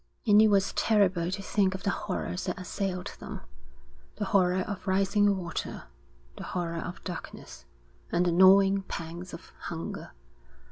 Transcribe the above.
And it was terrible to think of the horrors that assailed them, the horror of rising water, the horror of darkness, and the gnawing pangs of hunger.